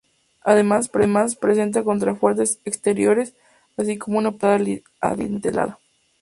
Además, presenta contrafuertes exteriores, así como una puerta de entrada adintelada.